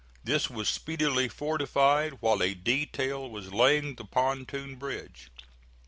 This was speedily fortified, while a detail was laying the pontoon bridge.